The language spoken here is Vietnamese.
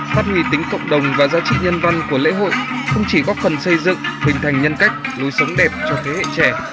phát huy tính cộng đồng và giá trị nhân văn của lễ hội không chỉ góp phần xây dựng hình thành nhân cách lối sống đẹp cho thế hệ trẻ